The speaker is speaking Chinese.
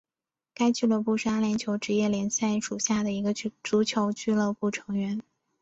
该俱乐部是阿联酋职业足球联赛属下的一个足球俱乐部成员。